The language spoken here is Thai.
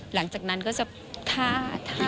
หลังจากนั้นก็จะท่า